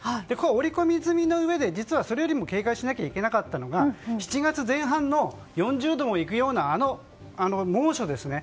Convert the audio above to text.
織り込み済みの上でそれよりも警戒しなければいけなかったのは７月前半の４０度もいくような猛暑ですね。